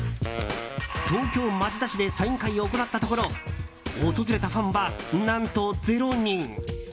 東京・町田市でサイン会を行ったところ訪れたファンは、何と０人。